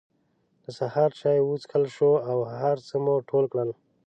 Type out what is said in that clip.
د سهار چای وڅکل شو او هر څه مو ټول کړل.